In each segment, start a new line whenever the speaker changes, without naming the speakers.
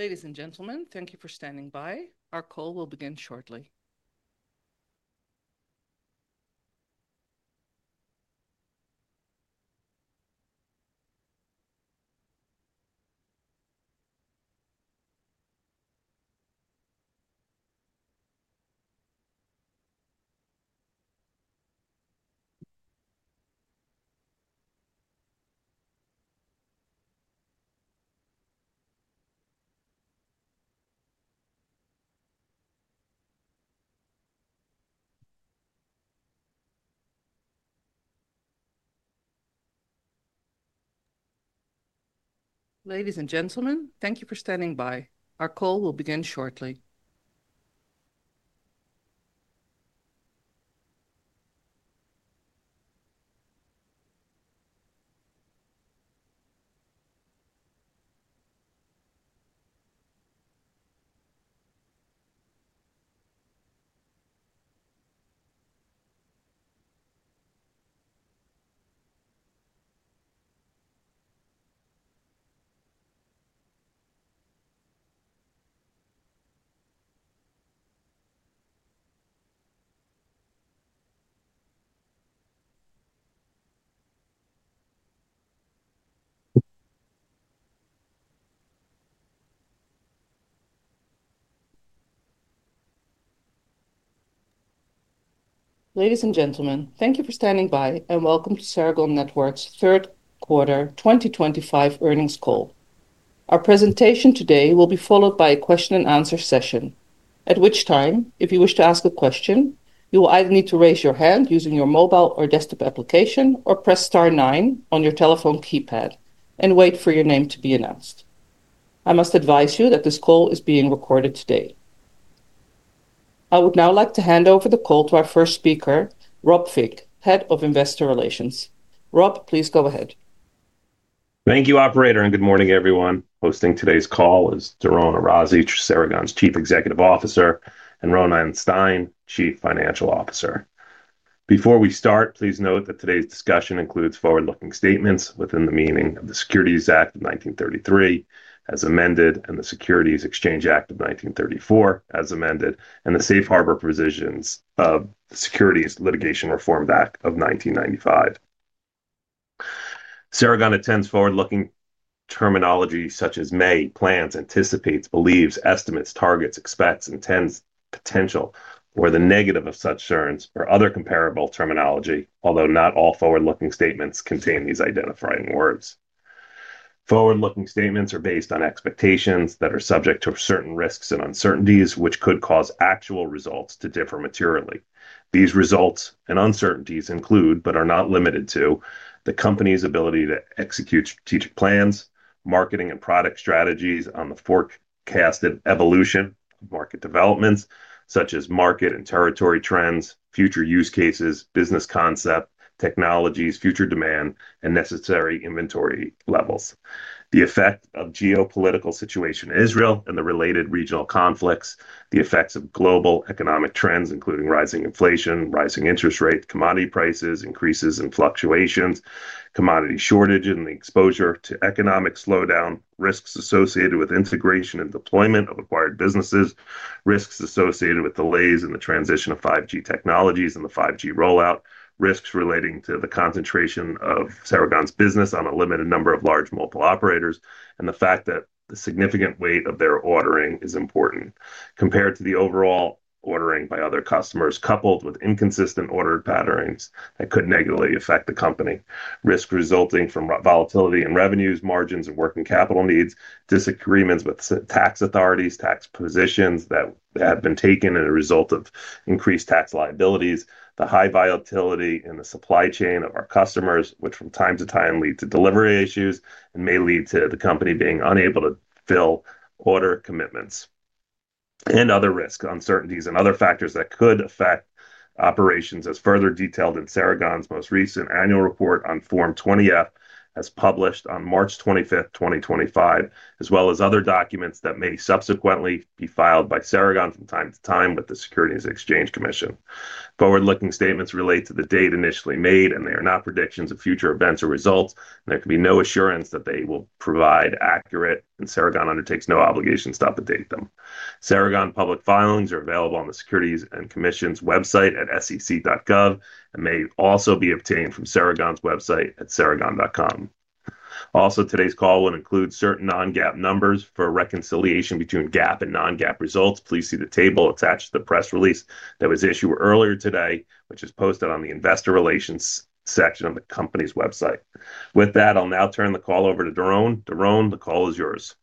Ladies and gentlemen, thank you for standing by. Our call will begin shortly. Ladies and gentlemen, thank you for standing by. Our call will begin shortly. Ladies and gentlemen, thank you for standing by, and welcome to Ceragon Networks' third quarter 2025 earnings call. Our presentation today will be followed by a question-and-answer session, at which time, if you wish to ask a question, you will either need to raise your hand using your mobile or desktop application, or press star nine on your telephone keypad and wait for your name to be announced. I must advise you that this call is being recorded today. I would now like to hand over the call to our first speaker, Rob Fink, Head of Investor Relations. Rob, please go ahead.
Thank you, Operator, and good morning, everyone. Hosting today's call is Doron Arazi, Ceragon's Chief Executive Officer, and Ronen Stein, Chief Financial Officer. Before we start, please note that today's discussion includes forward-looking statements within the meaning of the Securities Act of 1933, as amended, and the Securities Exchange Act of 1934, as amended, and the Safe Harbor Provisions of the Securities Litigation Reform Act of 1995. Ceragon intends forward-looking terminology such as may, plans, anticipates, believes, estimates, targets, expects, intends, potential, or the negative of such terms, or other comparable terminology, although not all forward-looking statements contain these identifying words. Forward-looking statements are based on expectations that are subject to certain risks and uncertainties, which could cause actual results to differ materially. These results and uncertainties include, but are not limited to, the company's ability to execute strategic plans, marketing and product strategies on the forecasted evolution of market developments, such as market and territory trends, future use cases, business concept, technologies, future demand, and necessary inventory levels. The effect of geopolitical situation in Israel and the related regional conflicts, the effects of global economic trends, including rising inflation, rising interest rates, commodity prices, increases in fluctuations, commodity shortage, and the exposure to economic slowdown, risks associated with integration and deployment of acquired businesses, risks associated with delays in the transition of 5G technologies and the 5G rollout, risks relating to the concentration of Ceragon's business on a limited number of large mobile operators, and the fact that the significant weight of their ordering is important compared to the overall ordering by other customers, coupled with inconsistent order patterns that could negatively affect the company, risks resulting from volatility in revenues, margins, and working capital needs, disagreements with tax authorities, tax positions that have been taken as a result of increased tax liabilities, the high volatility in the supply chain of our customers, which from time to time lead to delivery issues and may lead to the company being unable to fill order commitments, and other risks, uncertainties, and other factors that could affect operations, as further detailed in Ceragon's most recent annual report on Form 20F, as published on March 25, 2025, as well as other documents that may subsequently be filed by Ceragon from time to time with the U.S. Securities and Exchange Commission. Forward-looking statements relate to the date initially made, and they are not predictions of future events or results, and there can be no assurance that they will provide accurate, and Ceragon undertakes no obligations to update them. Ceragon public filings are available on the U.S. Securities and Exchange Commission's website at sec.gov and may also be obtained from Ceragon's website at ceragon.com. Also, today's call will include certain non-GAAP numbers for reconciliation between GAAP and non-GAAP results. Please see the table attached to the press release that was issued earlier today, which is posted on the Investor Relations section of the company's website. With that, I'll now turn the call over to Doron. Doron, the call is yours.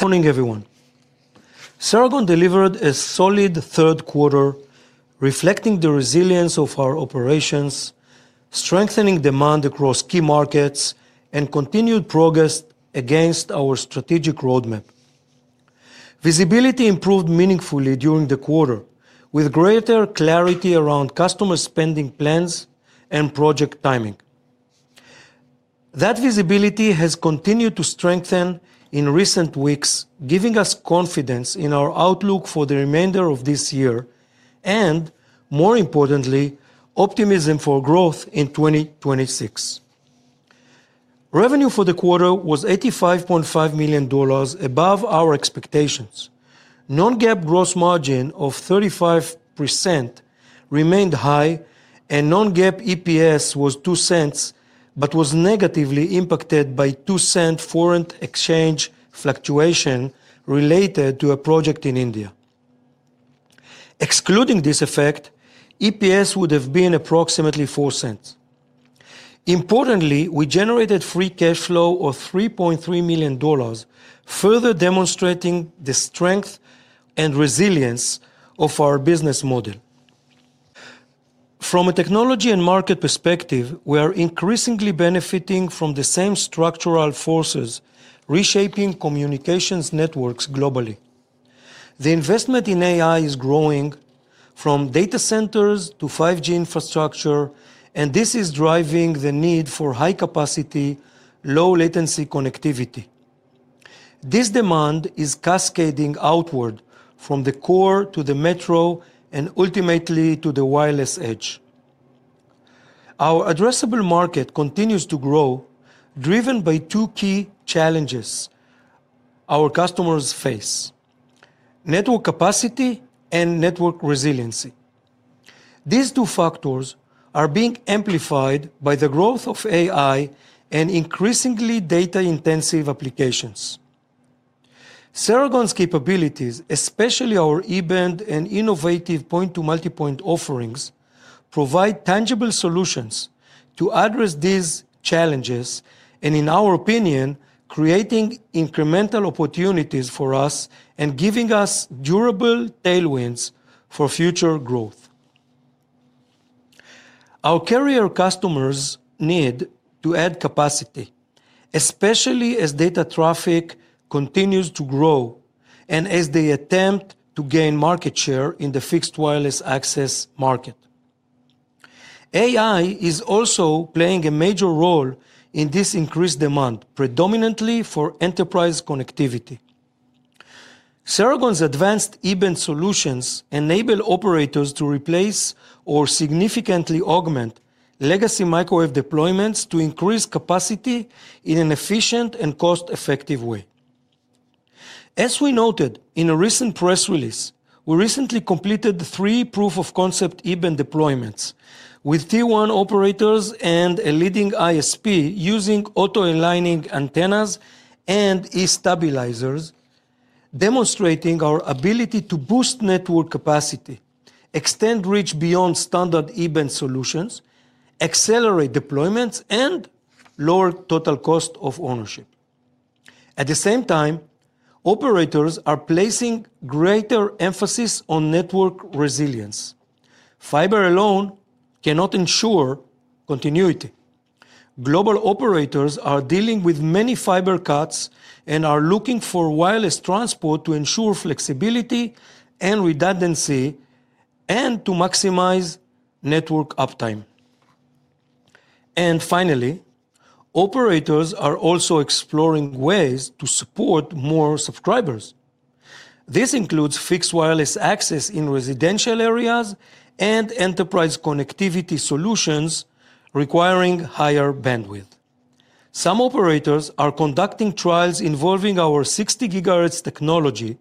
Morning, everyone. Ceragon delivered a solid third quarter, reflecting the resilience of our operations, strengthening demand across key markets, and continued progress against our strategic roadmap. Visibility improved meaningfully during the quarter, with greater clarity around customer spending plans and project timing. That visibility has continued to strengthen in recent weeks, giving us confidence in our outlook for the remainder of this year and, more importantly, optimism for growth in 2026. Revenue for the quarter was $85.5 million above our expectations. Non-GAAP gross margin of 35% remained high, and non-GAAP EPS was $0.02 but was negatively impacted by $0.02 foreign exchange fluctuation related to a project in India. Excluding this effect, EPS would have been approximately $0.04. Importantly, we generated free cash flow of $3.3 million, further demonstrating the strength and resilience of our business model. From a technology and market perspective, we are increasingly benefiting from the same structural forces reshaping communications networks globally. The investment in AI is growing from data centers to 5G infrastructure, and this is driving the need for high-capacity, low-latency connectivity. This demand is cascading outward from the core to the metro and ultimately to the wireless edge. Our addressable market continues to grow, driven by two key challenges our customers face: network capacity and network resiliency. These two factors are being amplified by the growth of AI and increasingly data-intensive applications. Ceragon's capabilities, especially our E-band and innovative point-to-multipoint offerings, provide tangible solutions to address these challenges and, in our opinion, creating incremental opportunities for us and giving us durable tailwinds for future growth. Our carrier customers need to add capacity, especially as data traffic continues to grow and as they attempt to gain market share in the fixed wireless access market. AI is also playing a major role in this increased demand, predominantly for enterprise connectivity. Ceragon's advanced E-band solutions enable operators to replace or significantly augment legacy microwave deployments to increase capacity in an efficient and cost-effective way. As we noted in a recent press release, we recently completed three proof-of-concept E-band deployments with Tier 1 operators and a leading ISP using auto-aligning antennas and E-stabilizers, demonstrating our ability to boost network capacity, extend reach beyond standard E-band solutions, accelerate deployments, and lower total cost of ownership. At the same time, operators are placing greater emphasis on network resilience. Fiber alone cannot ensure continuity. Global operators are dealing with many fiber cuts and are looking for wireless transport to ensure flexibility and redundancy and to maximize network uptime. Finally, operators are also exploring ways to support more subscribers. This includes fixed wireless access in residential areas and enterprise connectivity solutions requiring higher bandwidth. Some operators are conducting trials involving our 60 GHz technology,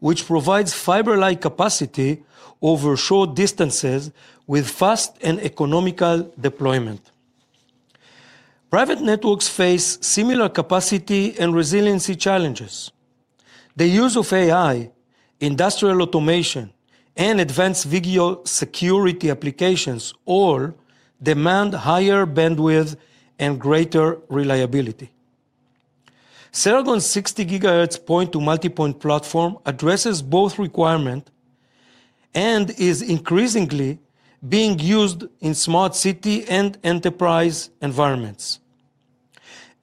which provides fiber-like capacity over short distances with fast and economical deployment. Private networks face similar capacity and resiliency challenges. The use of AI, industrial automation, and advanced video security applications all demand higher bandwidth and greater reliability. Ceragon's 60 GHz point-to-multipoint platform addresses both requirements and is increasingly being used in smart city and enterprise environments.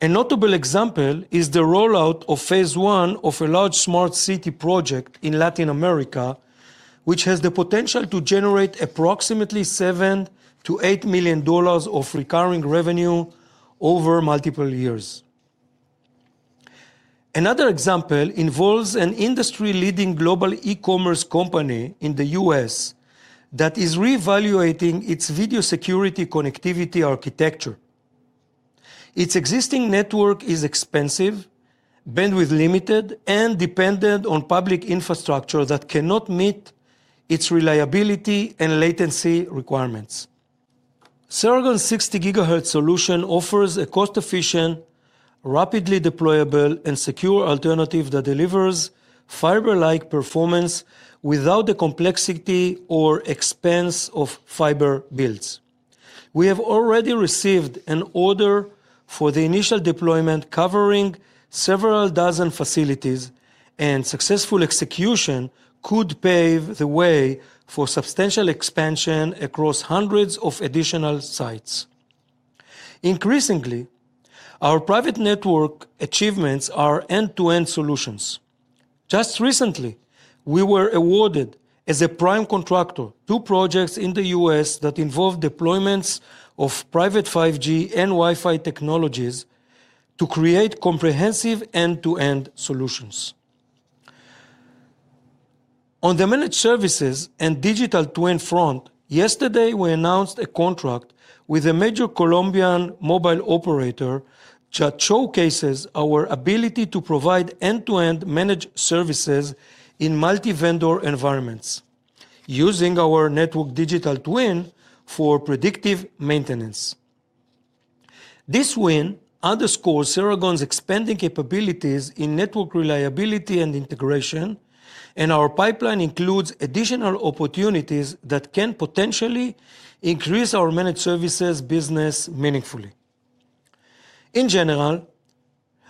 A notable example is the rollout of phase one of a large smart city project in Latin America, which has the potential to generate approximately $7 million-$8 million of recurring revenue over multiple years. Another example involves an industry-leading global e-commerce company in the U.S. that is reevaluating its video security connectivity architecture. Its existing network is expensive, bandwidth limited, and dependent on public infrastructure that cannot meet its reliability and latency requirements. Ceragon's 60 GHz solution offers a cost-efficient, rapidly deployable, and secure alternative that delivers fiber-like performance without the complexity or expense of fiber builds. We have already received an order for the initial deployment covering several dozen facilities, and successful execution could pave the way for substantial expansion across hundreds of additional sites. Increasingly, our private network achievements are end-to-end solutions. Just recently, we were awarded as a prime contractor two projects in the U.S. that involved deployments of private 5G and Wi-Fi technologies to create comprehensive end-to-end solutions. On the managed services and digital twin front, yesterday, we announced a contract with a major Colombian mobile operator that showcases our ability to provide end-to-end managed services in multi-vendor environments using our network digital twin for predictive maintenance. This win underscores Ceragon's expanding capabilities in network reliability and integration, and our pipeline includes additional opportunities that can potentially increase our managed services business meaningfully. In general,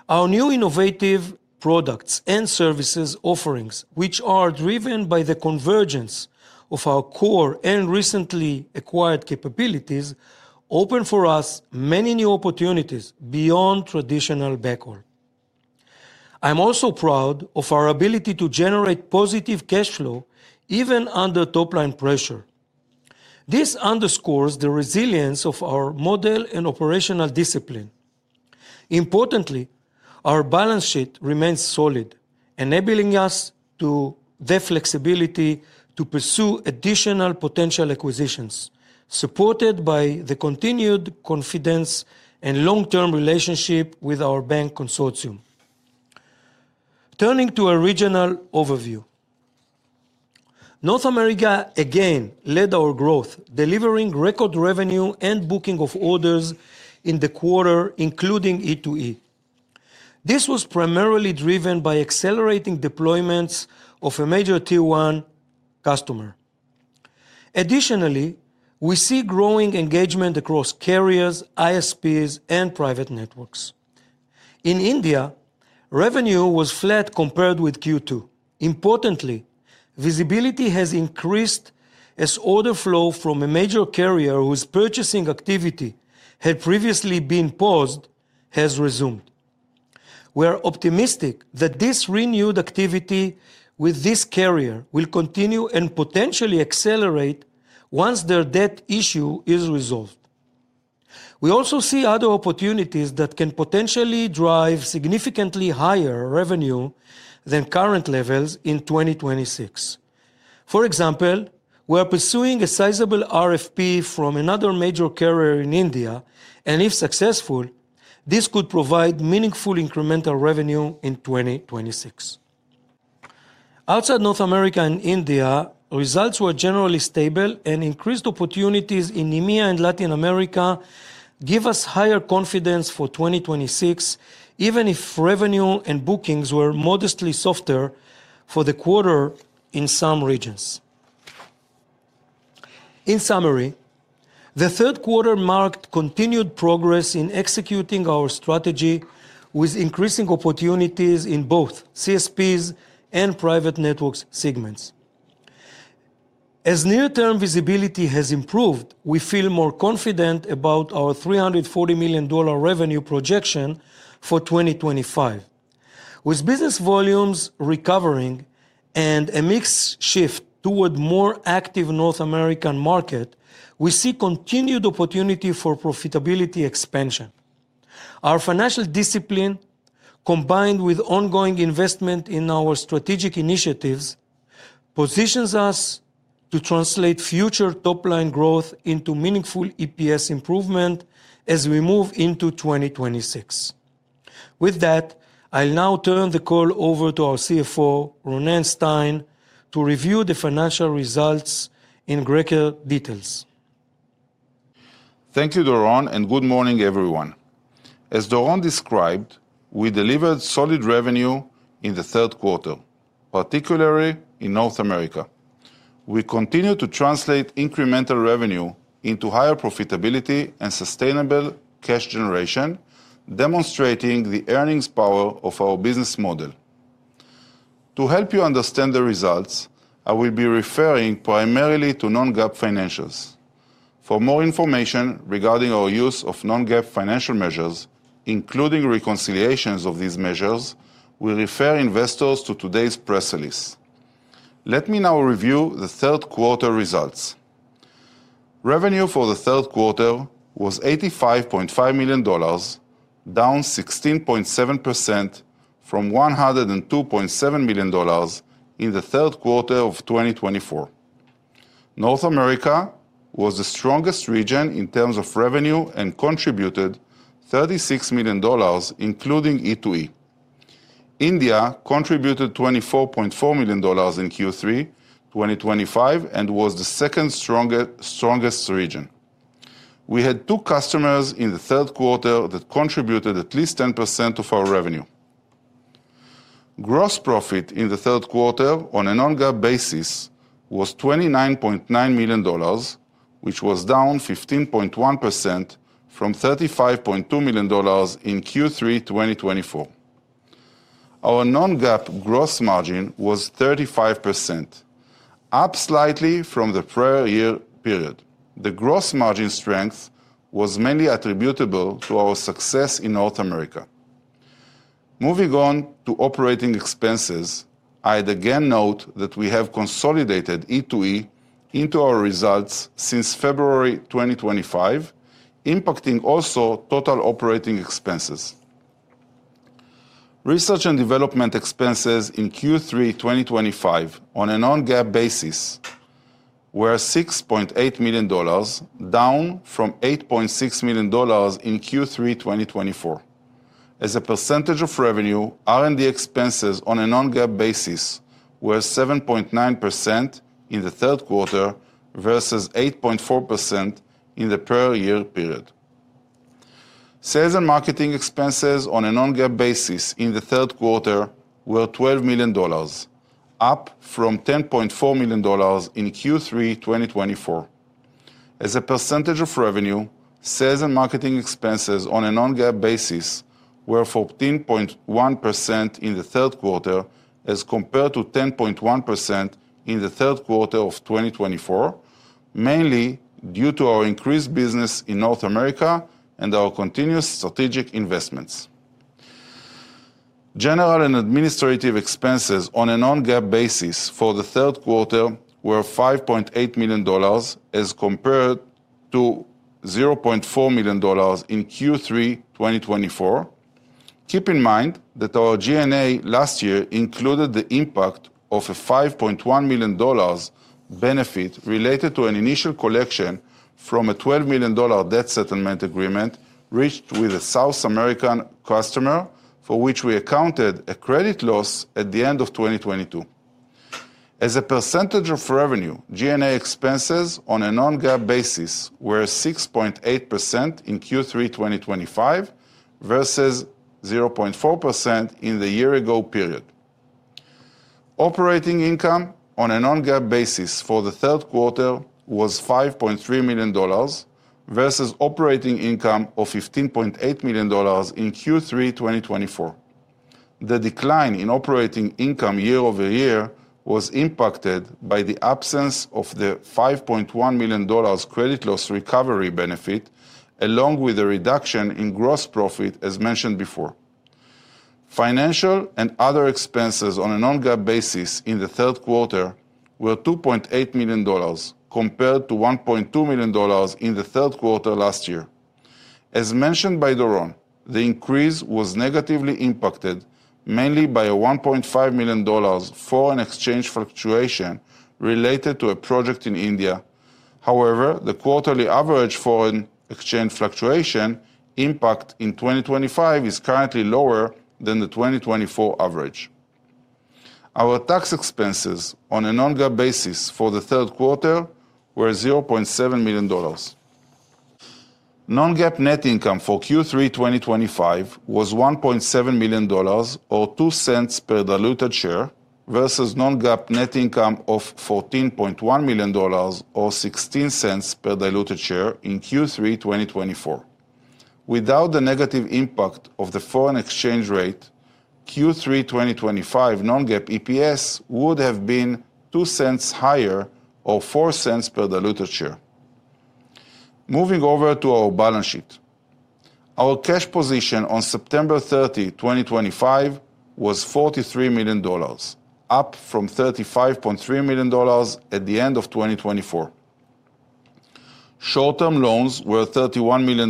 our new innovative products and services offerings, which are driven by the convergence of our core and recently acquired capabilities, open for us many new opportunities beyond traditional backhaul. I'm also proud of our ability to generate positive cash flow even under top-line pressure. This underscores the resilience of our model and operational discipline. Importantly, our balance sheet remains solid, enabling us the flexibility to pursue additional potential acquisitions, supported by the continued confidence and long-term relationship with our bank consortium. Turning to a regional overview, North America again led our growth, delivering record revenue and booking of orders in the quarter, including E2E. This was primarily driven by accelerating deployments of a major Tier 1 customer. Additionally, we see growing engagement across carriers, ISPs, and private networks. In India, revenue was flat compared with Q2. Importantly, visibility has increased as order flow from a major carrier whose purchasing activity had previously been paused has resumed. We are optimistic that this renewed activity with this carrier will continue and potentially accelerate once their debt issue is resolved. We also see other opportunities that can potentially drive significantly higher revenue than current levels in 2026. For example, we are pursuing a sizable RFP from another major carrier in India, and if successful, this could provide meaningful incremental revenue in 2026. Outside North America and India, results were generally stable, and increased opportunities in EMEA and Latin America give us higher confidence for 2026, even if revenue and bookings were modestly softer for the quarter in some regions. In summary, the third quarter marked continued progress in executing our strategy with increasing opportunities in both CSPs and private networks segments. As near-term visibility has improved, we feel more confident about our $340 million revenue projection for 2025. With business volumes recovering and a mixed shift toward a more active North American market, we see continued opportunity for profitability expansion. Our financial discipline, combined with ongoing investment in our strategic initiatives, positions us to translate future top-line growth into meaningful EPS improvement as we move into 2026. With that, I'll now turn the call over to our CFO, Ronen Stein, to review the financial results in greater detail.
Thank you, Doron, and good morning, everyone. As Doron described, we delivered solid revenue in the third quarter, particularly in North America. We continue to translate incremental revenue into higher profitability and sustainable cash generation, demonstrating the earnings power of our business model. To help you understand the results, I will be referring primarily to non-GAAP financials. For more information regarding our use of non-GAAP financial measures, including reconciliations of these measures, we refer investors to today's press release. Let me now review the third quarter results. Revenue for the third quarter was $85.5 million, down 16.7% from $102.7 million in the third quarter of 2024. North America was the strongest region in terms of revenue and contributed $36 million, including E2E. India contributed $24.4 million in Q3 2025 and was the second strongest region. We had two customers in the third quarter that contributed at least 10% of our revenue. Gross profit in the third quarter on a non-GAAP basis was $29.9 million, which was down 15.1% from $35.2 million in Q3 2024. Our non-GAAP gross margin was 35%, up slightly from the prior year period. The gross margin strength was mainly attributable to our success in North America. Moving on to operating expenses, I'd again note that we have consolidated E2E into our results since February 2025, impacting also total operating expenses. Research and development expenses in Q3 2025 on a non-GAAP basis were $6.8 million, down from $8.6 million in Q3 2024. As a percentage of revenue, R&D expenses on a non-GAAP basis were 7.9% in the third quarter versus 8.4% in the prior year period. Sales and marketing expenses on a non-GAAP basis in the third quarter were $12 million, up from $10.4 million in Q3 2024. As a percentage of revenue, sales and marketing expenses on a non-GAAP basis were 14.1% in the third quarter as compared to 10.1% in the third quarter of 2024, mainly due to our increased business in North America and our continuous strategic investments. General and administrative expenses on a non-GAAP basis for the third quarter were $5.8 million as compared to $0.4 million in Q3 2024. Keep in mind that our G&A last year included the impact of a $5.1 million benefit related to an initial collection from a $12 million debt settlement agreement reached with a South American customer for which we accounted a credit loss at the end of 2022. As a percentage of revenue, G&A expenses on a non-GAAP basis were 6.8% in Q3 2025 versus 0.4% in the year-ago period. Operating income on a non-GAAP basis for the third quarter was $5.3 million versus operating income of $15.8 million in Q3 2024. The decline in operating income year over year was impacted by the absence of the $5.1 million credit loss recovery benefit, along with a reduction in gross profit as mentioned before. Financial and other expenses on a non-GAAP basis in the third quarter were $2.8 million compared to $1.2 million in the third quarter last year. As mentioned by Doron, the increase was negatively impacted mainly by a $1.5 million foreign exchange fluctuation related to a project in India. However, the quarterly average foreign exchange fluctuation impact in 2025 is currently lower than the 2024 average. Our tax expenses on a non-GAAP basis for the third quarter were $0.7 million. Non-GAAP net income for Q3 2025 was $1.7 million or $0.02 per diluted share versus non-GAAP net income of $14.1 million or $0.16 per diluted share in Q3 2024. Without the negative impact of the foreign exchange rate, Q3 2025 non-GAAP EPS would have been $0.02 higher or $0.04 per diluted share. Moving over to our balance sheet, our cash position on September 30, 2025, was $43 million, up from $35.3 million at the end of 2024. Short-term loans were $31 million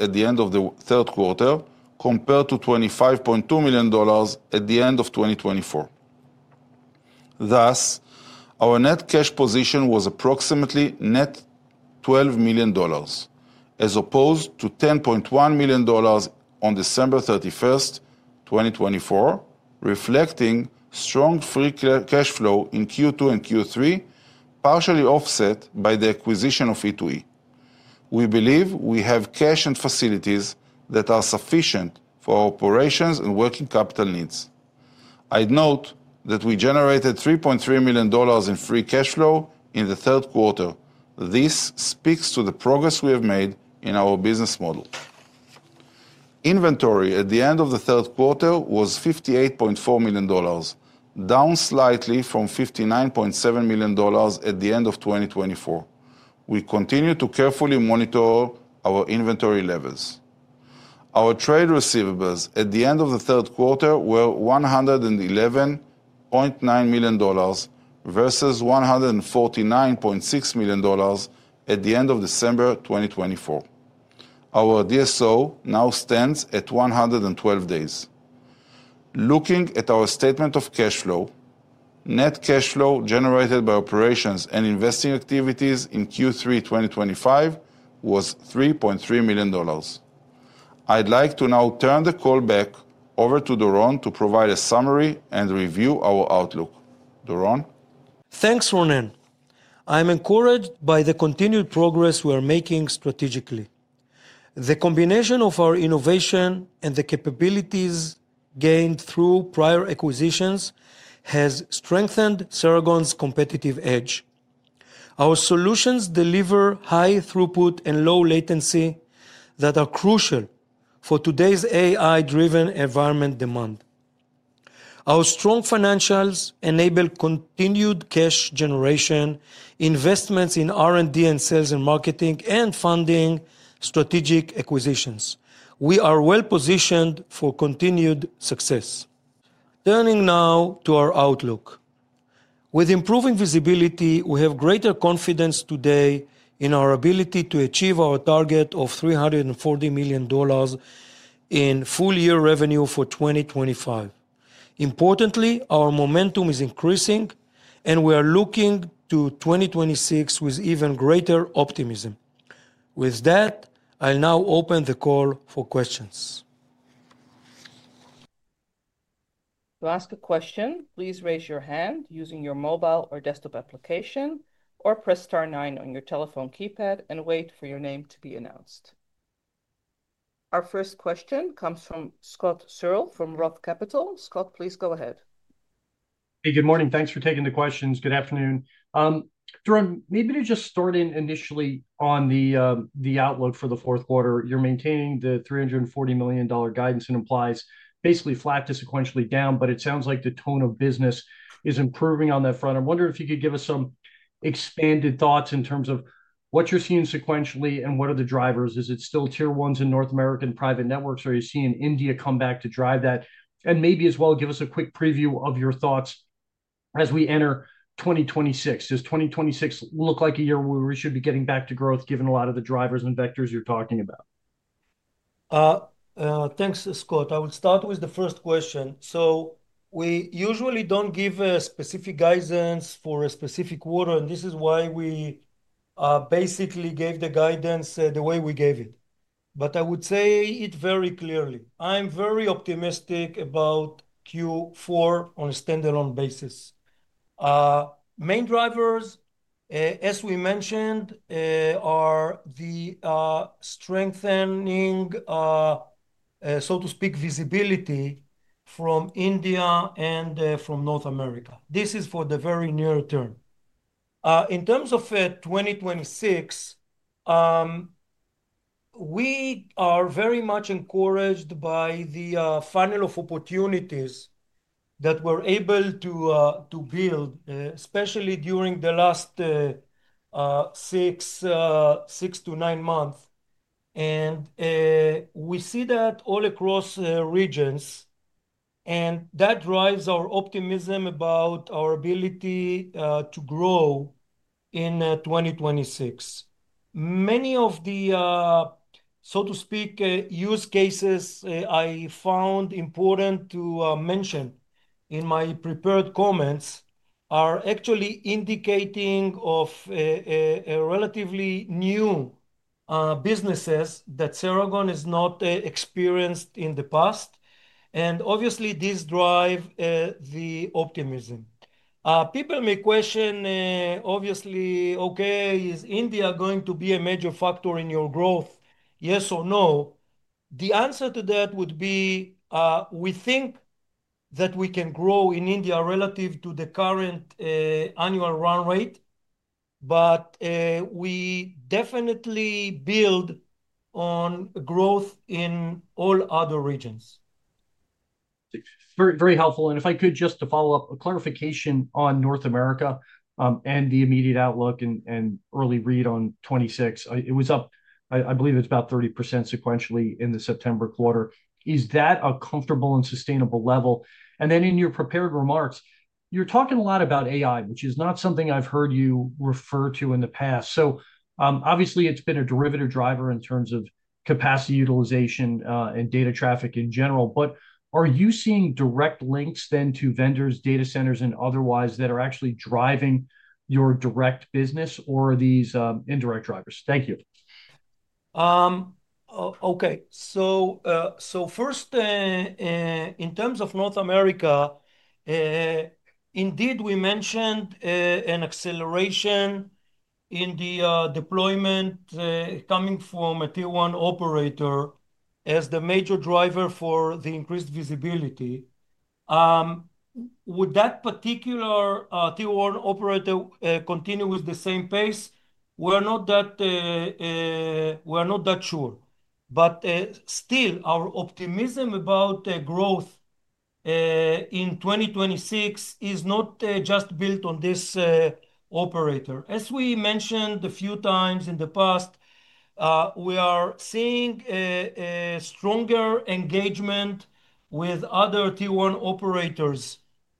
at the end of the third quarter compared to $25.2 million at the end of 2024. Thus, our net cash position was approximately net $12 million as opposed to $10.1 million on December 31, 2024, reflecting strong free cash flow in Q2 and Q3, partially offset by the acquisition of E2E. We believe we have cash and facilities that are sufficient for our operations and working capital needs. I'd note that we generated $3.3 million in free cash flow in the third quarter. This speaks to the progress we have made in our business model. Inventory at the end of the third quarter was $58.4 million, down slightly from $59.7 million at the end of 2024. We continue to carefully monitor our inventory levels. Our trade receivables at the end of the third quarter were $111.9 million versus $149.6 million at the end of December 2024. Our DSO now stands at 112 days. Looking at our statement of cash flow, net cash flow generated by operations and investing activities in Q3 2025 was $3.3 million. I'd like to now turn the call back over to Doron to provide a summary and review our outlook. Doron.
Thanks, Ronen. I'm encouraged by the continued progress we are making strategically. The combination of our innovation and the capabilities gained through prior acquisitions has strengthened Ceragon's competitive edge. Our solutions deliver high throughput and low latency that are crucial for today's AI-driven environment demand. Our strong financials enable continued cash generation, investments in R&D and sales and marketing, and funding strategic acquisitions. We are well positioned for continued success. Turning now to our outlook. With improving visibility, we have greater confidence today in our ability to achieve our target of $340 million in full-year revenue for 2025. Importantly, our momentum is increasing, and we are looking to 2026 with even greater optimism. With that, I'll now open the call for questions.
To ask a question, please raise your hand using your mobile or desktop application or press star nine on your telephone keypad and wait for your name to be announced. Our first question comes from Scott Searle from Roth Capital Partners. Scott, please go ahead.
Hey, good morning. Thanks for taking the questions. Good afternoon. Doron, maybe to just start in initially on the outlook for the fourth quarter, you're maintaining the $340 million guidance and implies basically flat to sequentially down, but it sounds like the tone of business is improving on that front. I wonder if you could give us some expanded thoughts in terms of what you're seeing sequentially and what are the drivers. Is it still tier ones in North American private networks? Are you seeing India come back to drive that? And maybe as well, give us a quick preview of your thoughts as we enter 2026. Does 2026 look like a year where we should be getting back to growth given a lot of the drivers and vectors you're talking about?
Thanks, Scott. I will start with the first question. We usually do not give specific guidance for a specific quarter, and this is why we basically gave the guidance the way we gave it. I would say it very clearly. I am very optimistic about Q4 on a standalone basis. Main drivers, as we mentioned, are the strengthening, so to speak, visibility from India and from North America. This is for the very near term. In terms of 2026, we are very much encouraged by the funnel of opportunities that we are able to build, especially during the last six to nine months. We see that all across regions, and that drives our optimism about our ability to grow in 2026. Many of the, so to speak, use cases I found important to mention in my prepared comments are actually indicative of relatively new businesses that Ceragon has not experienced in the past. Obviously, this drives the optimism. People may question, obviously, okay, is India going to be a major factor in your growth? Yes or no? The answer to that would be we think that we can grow in India relative to the current annual run rate, but we definitely build on growth in all other regions.
Very helpful. If I could just to follow up, a clarification on North America and the immediate outlook and early read on 2026. It was up, I believe it's about 30% sequentially in the September quarter. Is that a comfortable and sustainable level? In your prepared remarks, you're talking a lot about AI, which is not something I've heard you refer to in the past. Obviously, it's been a derivative driver in terms of capacity utilization and data traffic in general. Are you seeing direct links then to vendors, data centers, and otherwise that are actually driving your direct business or these indirect drivers? Thank you.
Okay. First, in terms of North America, indeed, we mentioned an acceleration in the deployment coming from a tier one operator as the major driver for the increased visibility. Would that particular tier one operator continue with the same pace? We're not that sure. Still, our optimism about growth in 2026 is not just built on this operator. As we mentioned a few times in the past, we are seeing stronger engagement with other tier one operators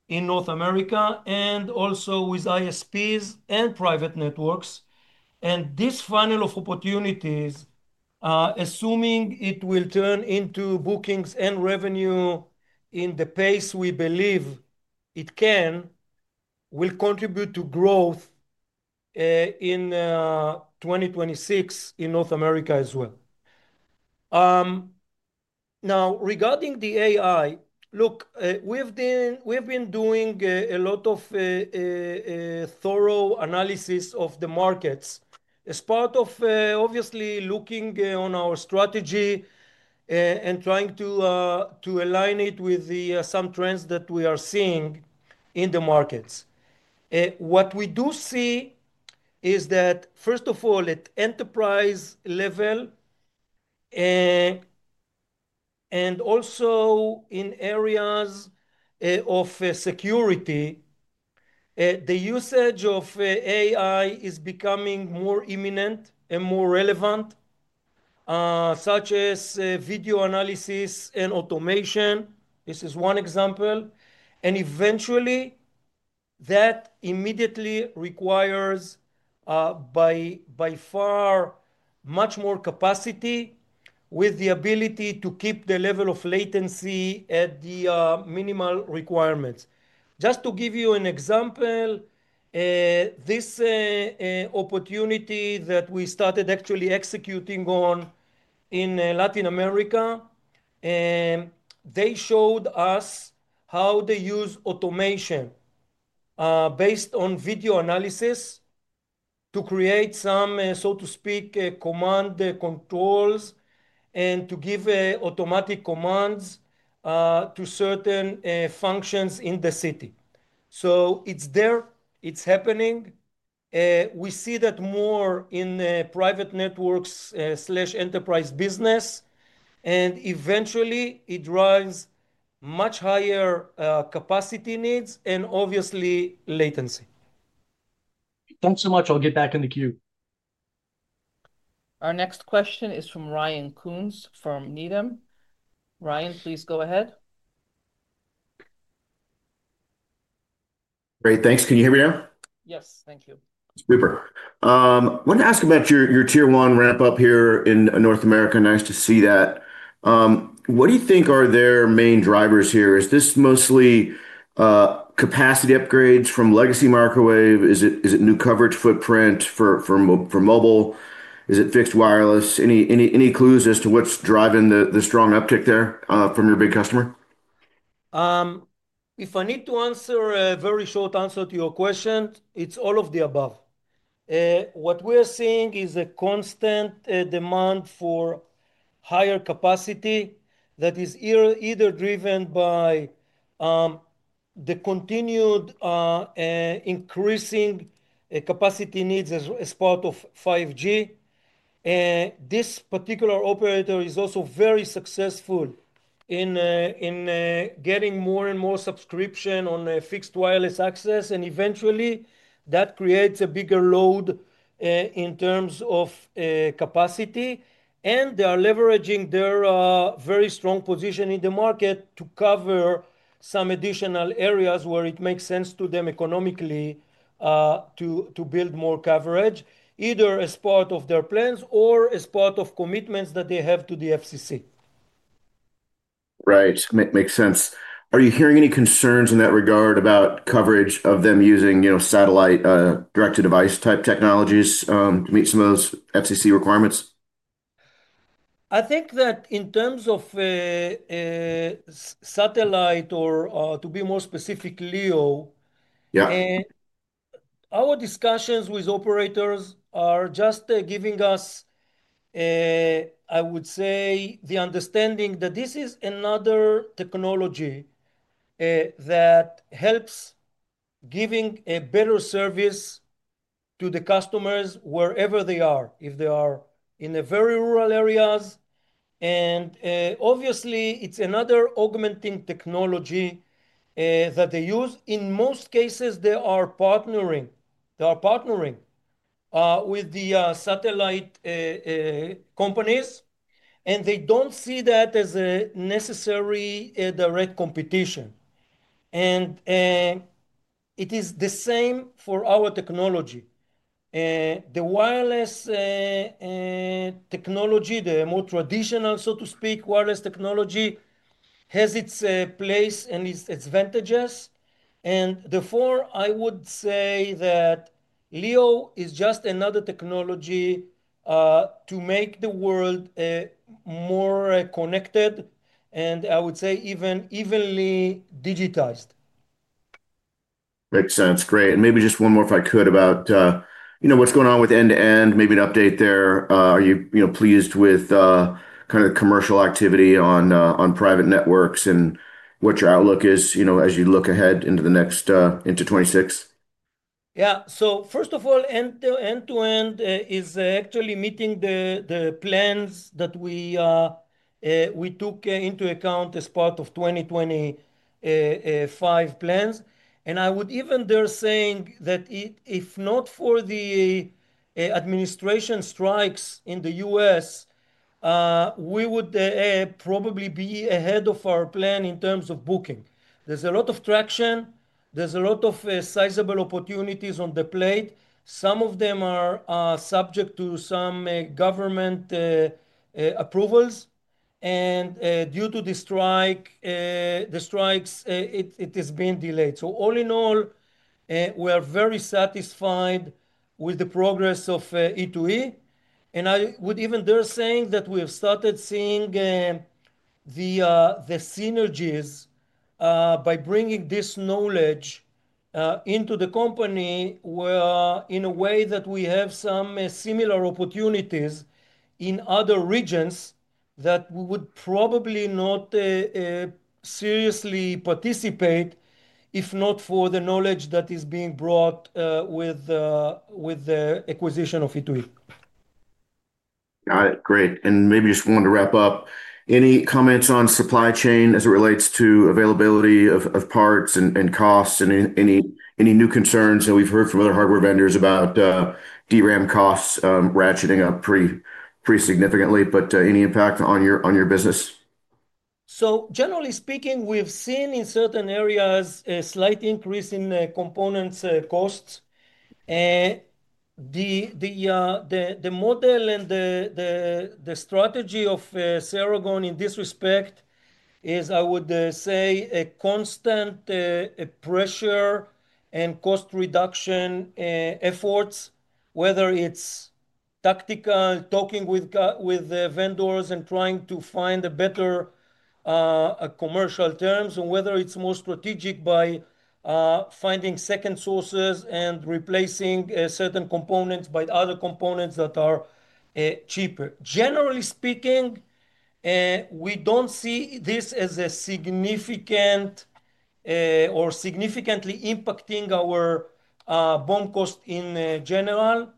in North America and also with ISPs and private networks. This funnel of opportunities, assuming it will turn into bookings and revenue in the pace we believe it can, will contribute to growth in 2026 in North America as well. Now, regarding the AI, look, we've been doing a lot of thorough analysis of the markets as part of obviously looking on our strategy and trying to align it with some trends that we are seeing in the markets. What we do see is that, first of all, at enterprise level and also in areas of security, the usage of AI is becoming more imminent and more relevant, such as video analysis and automation. This is one example. Eventually, that immediately requires by far much more capacity with the ability to keep the level of latency at the minimal requirements. Just to give you an example, this opportunity that we started actually executing on in Latin America, they showed us how they use automation based on video analysis to create some, so to speak, command controls and to give automatic commands to certain functions in the city. It's there. It's happening. We see that more in private networks/enterprise business. And eventually, it drives much higher capacity needs and obviously latency.
Thanks so much. I'll get back in the queue.
Our next question is from Ryan Koontz from Needham. Ryan, please go ahead.
Great. Thanks. Can you hear me now?
Yes. Thank you.
I wanted to ask about your tier one ramp-up here in North America. Nice to see that. What do you think are their main drivers here? Is this mostly capacity upgrades from legacy microwave? Is it new coverage footprint for mobile? Is it fixed wireless? Any clues as to what's driving the strong uptick there from your big customer?
If I need to answer a very short answer to your question, it's all of the above. What we are seeing is a constant demand for higher capacity that is either driven by the continued increasing capacity needs as part of 5G. This particular operator is also very successful in getting more and more subscription on fixed wireless access. Eventually, that creates a bigger load in terms of capacity. They are leveraging their very strong position in the market to cover some additional areas where it makes sense to them economically to build more coverage, either as part of their plans or as part of commitments that they have to the FCC.
Right. Makes sense. Are you hearing any concerns in that regard about coverage of them using satellite direct-to-device type technologies to meet some of those FCC requirements?
I think that in terms of satellite or to be more specific, LEO, our discussions with operators are just giving us, I would say, the understanding that this is another technology that helps giving a better service to the customers wherever they are, if they are in very rural areas. Obviously, it's another augmenting technology that they use. In most cases, they are partnering with the satellite companies. They don't see that as a necessary direct competition. It is the same for our technology. The wireless technology, the more traditional, so to speak, wireless technology has its place and its advantages. Therefore, I would say that LEO is just another technology to make the world more connected, and I would say evenly digitized.
Makes sense. Great. Maybe just one more if I could about what's going on with E2E, maybe an update there. Are you pleased with kind of the commercial activity on private networks and what your outlook is as you look ahead into the next into 2026?
Yeah. First of all, end-to-end is actually meeting the plans that we took into account as part of 2025 plans. I would even dare say that if not for the administration strikes in the U.S., we would probably be ahead of our plan in terms of booking. There's a lot of traction. There's a lot of sizable opportunities on the plate. Some of them are subject to some government approvals. Due to the strikes, it has been delayed. All in all, we are very satisfied with the progress of E2E. I would even dare say that we have started seeing the synergies by bringing this knowledge into the company in a way that we have some similar opportunities in other regions that we would probably not seriously participate if not for the knowledge that is being brought with the acquisition of E2E.
Got it. Great. Maybe just wanted to wrap up. Any comments on supply chain as it relates to availability of parts and costs and any new concerns that we've heard from other hardware vendors about DRAM costs ratcheting up pretty significantly, but any impact on your business?
Generally speaking, we've seen in certain areas a slight increase in components costs. The model and the strategy of Ceragon in this respect is, I would say, a constant pressure and cost reduction efforts, whether it's tactical, talking with vendors and trying to find better commercial terms, and whether it's more strategic by finding second sources and replacing certain components by other components that are cheaper. Generally speaking, we don't see this as a significant or significantly impacting our BOM cost in general,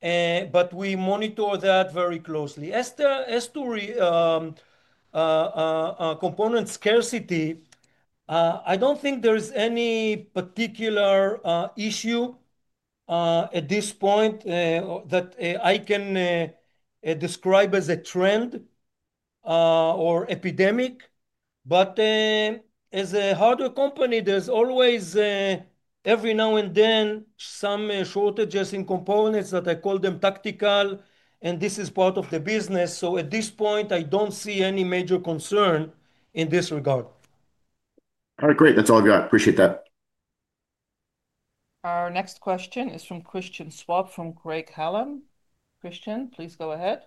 but we monitor that very closely. As to component scarcity, I don't think there is any particular issue at this point that I can describe as a trend or epidemic. As a hardware company, there's always every now and then some shortages in components that I call them tactical, and this is part of the business. At this point, I don't see any major concern in this regard.
All right. Great. That's all I've got. Appreciate that.
Our next question is from Christian Schwab from Craig-Hallum. Christian, please go ahead.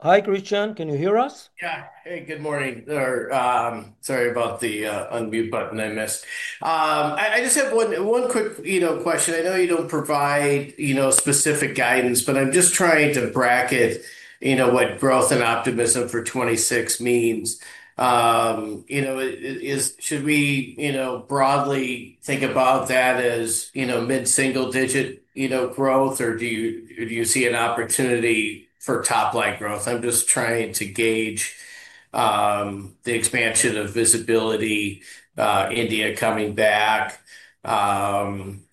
Hi, Christian. Can you hear us?
Yeah. Hey, good morning. Sorry about the unmute button I missed. I just have one quick question. I know you don't provide specific guidance, but I'm just trying to bracket what growth and optimism for 2026 means. Should we broadly think about that as mid-single-digit growth, or do you see an opportunity for top-line growth? I'm just trying to gauge the expansion of visibility, India coming back,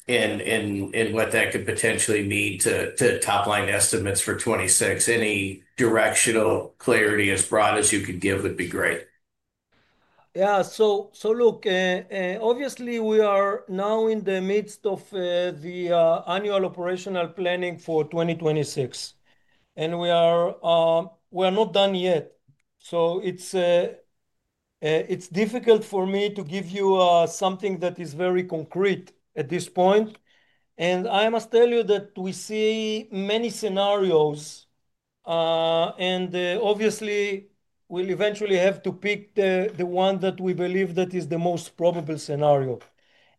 and what that could potentially mean to top-line estimates for 2026. Any directional clarity as broad as you can give would be great.
Yeah. Look, obviously, we are now in the midst of the annual operational planning for 2026. We are not done yet. It is difficult for me to give you something that is very concrete at this point. I must tell you that we see many scenarios. Obviously, we will eventually have to pick the one that we believe is the most probable scenario.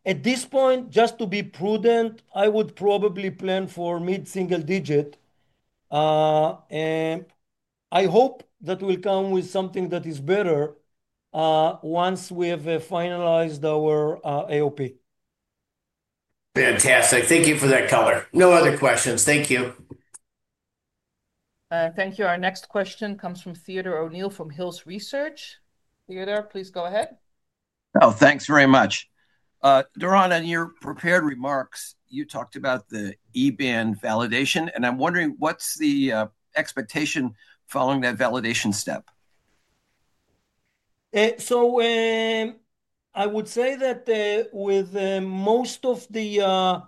At this point, just to be prudent, I would probably plan for mid-single-digit. I hope that we will come with something that is better once we have finalized our AOP.
Fantastic. Thank you for that color. No other questions. Thank you.
Thank you. Our next question comes from Theodore O'Neill from Hills Research. Theodore, please go ahead.
Oh, thanks very much. Doron, on your prepared remarks, you talked about the E-band validation. And I'm wondering, what's the expectation following that validation step?
I would say that with most of the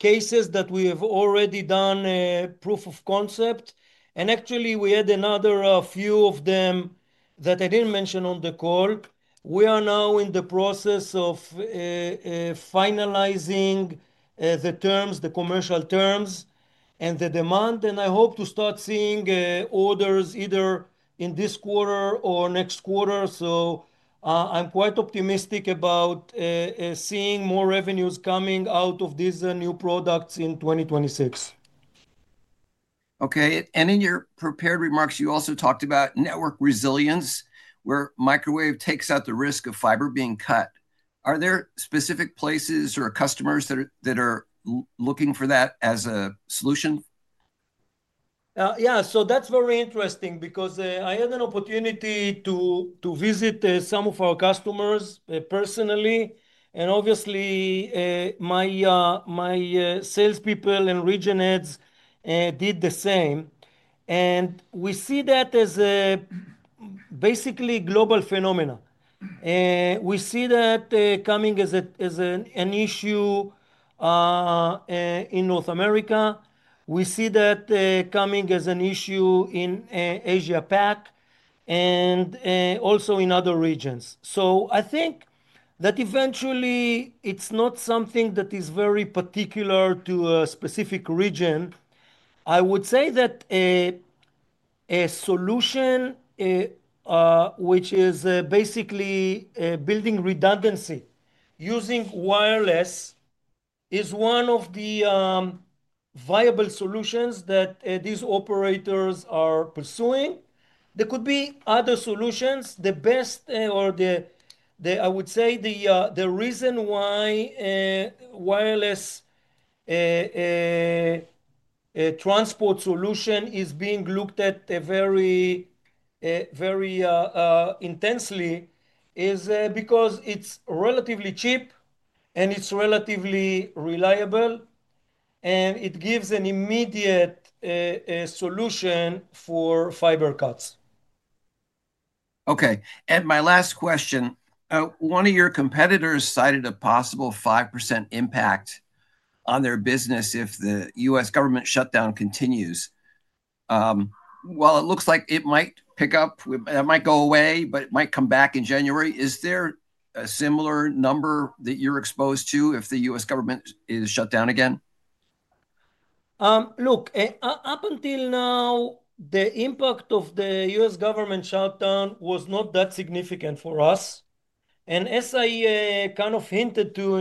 cases that we have already done proof of concept, and actually, we had another few of them that I didn't mention on the call, we are now in the process of finalizing the terms, the commercial terms, and the demand. I hope to start seeing orders either in this quarter or next quarter. I'm quite optimistic about seeing more revenues coming out of these new products in 2026.
Okay. In your prepared remarks, you also talked about network resilience where microwave takes out the risk of fiber being cut. Are there specific places or customers that are looking for that as a solution?
Yeah. So that's very interesting because I had an opportunity to visit some of our customers personally. Obviously, my salespeople and region heads did the same. We see that as basically a global phenomena. We see that coming as an issue in North America. We see that coming as an issue in Asia-Pac and also in other regions. I think that eventually, it's not something that is very particular to a specific region. I would say that a solution which is basically building redundancy using wireless is one of the viable solutions that these operators are pursuing. There could be other solutions. The best, or I would say the reason why wireless transport solution is being looked at very intensely is because it's relatively cheap and it's relatively reliable. It gives an immediate solution for fiber cuts.
Okay. And my last question. One of your competitors cited a possible 5% impact on their business if the U.S. government shutdown continues. It looks like it might pick up. It might go away, but it might come back in January. Is there a similar number that you're exposed to if the U.S. government is shut down again?
Look, up until now, the impact of the U.S. government shutdown was not that significant for us. And as I kind of hinted to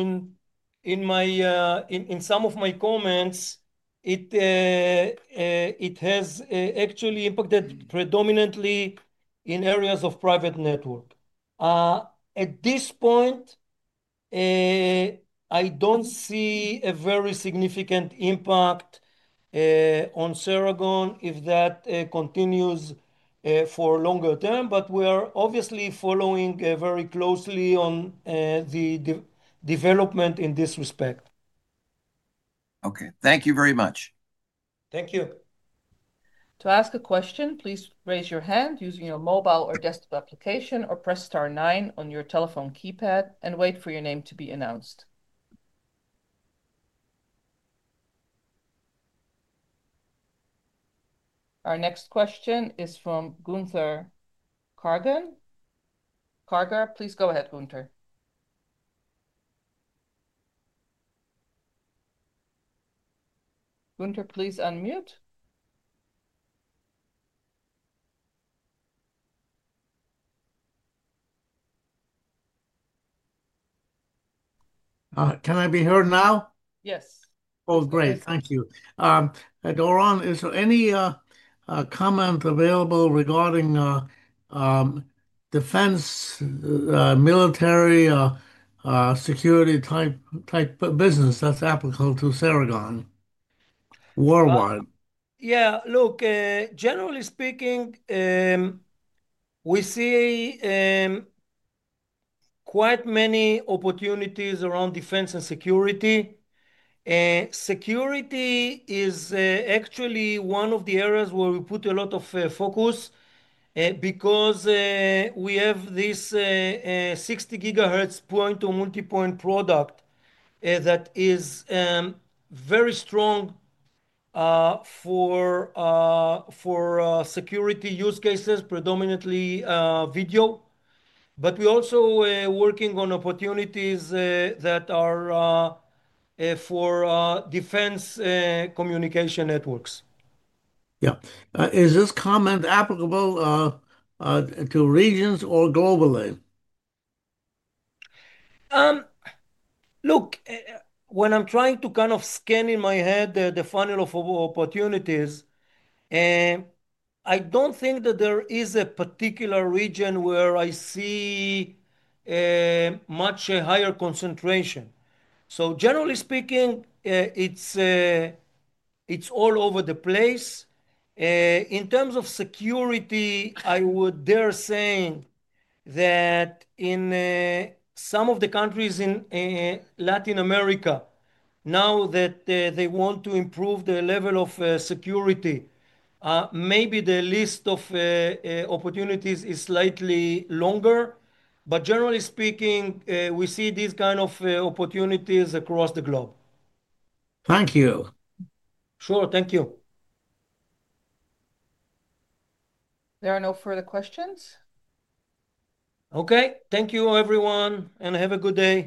in some of my comments, it has actually impacted predominantly in areas of private network. At this point, I do not see a very significant impact on Ceragon if that continues for a longer term. We are obviously following very closely on the development in this respect.
Okay. Thank you very much.
Thank you.
To ask a question, please raise your hand using your mobile or desktop application or press star nine on your telephone keypad and wait for your name to be announced. Our next question is from Gunther Karger. Karger, please go ahead, Gunther. Gunther, please unmute.
Can I be heard now?
Yes.
Oh, great. Thank you. Doron, is there any comment available regarding defense, military, security type business that's applicable to Ceragon, war-wide?
Yeah. Look, generally speaking, we see quite many opportunities around defense and security. Security is actually one of the areas where we put a lot of focus because we have this 60 GHz point-to-multipoint product that is very strong for security use cases, predominantly video. We are also working on opportunities that are for defense communication networks.
Yeah. Is this comment applicable to regions or globally?
Look, when I'm trying to kind of scan in my head the funnel of opportunities, I don't think that there is a particular region where I see much higher concentration. Generally speaking, it's all over the place. In terms of security, I would dare say that in some of the countries in Latin America, now that they want to improve their level of security, maybe the list of opportunities is slightly longer. Generally speaking, we see these kinds of opportunities across the globe.
Thank you.
Sure. Thank you.
There are no further questions.
Okay. Thank you, everyone. Have a good day.